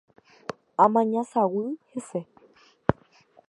Amaña saguy hese